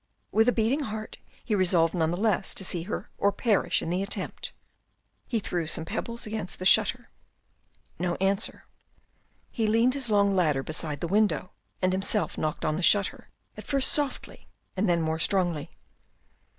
With a beating heart, but resolved none the less to see her or perish in the attempt, he threw some little pebbles against the shutter. No answer. He leaned his long ladder beside the window, and himself knocked on the shutter, at first softly, and then more strongly.